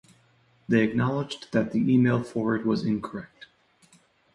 They acknowledged that the email forward was incorrect.